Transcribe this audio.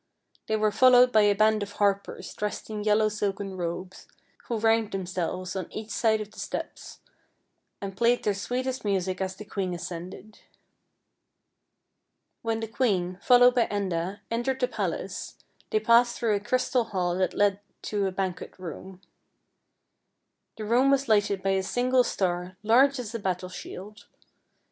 They were fol lowed by a band of harpers dressed in yellow silken robes, who ranged themselves on each side of the steps and played their sweetest music as the queen ascended. When the queen, followed by Enda, entered the palace, they passed through a crystal hall that led to a banquet room. The room was lighted by a single star, large as a battle shield.